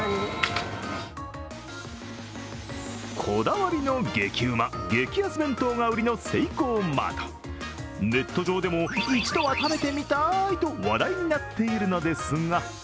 こだわりの激うま激安弁当が売りのセイコーマートネット上でも、一度は食べてみたいと話題になっているのですが。